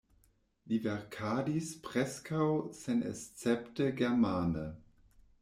Li verkadis preskaŭ senescepte germane.